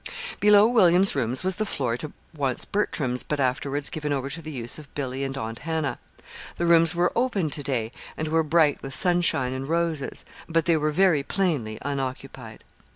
Below William's rooms was the floor once Bertram's, but afterwards given over to the use of Billy and Aunt Hannah. The rooms were open to day, and were bright with sunshine and roses; but they were very plainly unoccupied.